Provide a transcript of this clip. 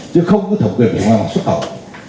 chứ không có thẩm quyền hải quan xuất khẩu